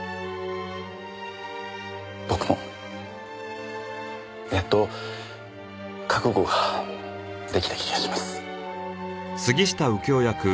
僕もやっと覚悟が出来た気がします。